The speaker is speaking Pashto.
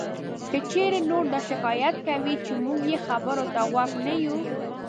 که چېرې نور دا شکایت کوي چې مونږ یې خبرو ته غوږ نه یو